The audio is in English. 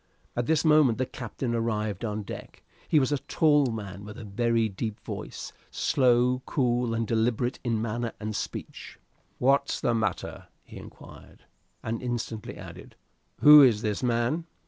At this moment the captain arrived on deck. He was a tall man, with a very deep voice, slow, cool, and deliberate in manner and speech. "What's the matter?" he inquired, and instantly added, "Who is this man?"